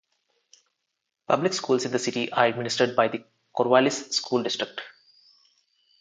Public schools in the city are administered by the Corvallis School District.